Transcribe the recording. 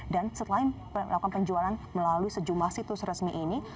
dan setelah melakukan penjualan melalui sejumlah situs resmi ini